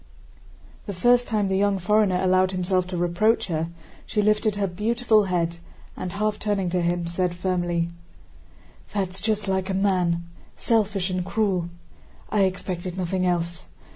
The first time the young foreigner allowed himself to reproach her, she lifted her beautiful head and, half turning to him, said firmly: "That's just like a man—selfish and cruel! I expected nothing else.